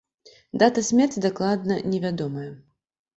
Дата смерці дакладна не вядомая.